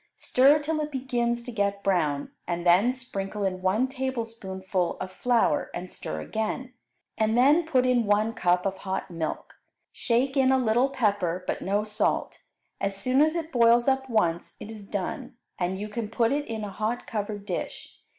Stir till it begins to get brown, and then sprinkle in one tablespoonful of flour and stir again, and then put in one cup of hot milk. Shake in a little pepper, but no salt. As soon as it boils up once, it is done, and you can put it in a hot covered dish.